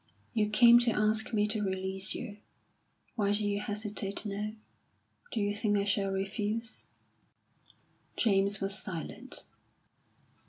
"You came to ask me to release you. Why do you hesitate now? Do you think I shall refuse?" James was silent.